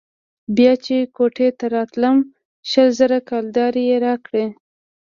بيا چې كوټې ته راتلم شل زره كلدارې يې راکړې.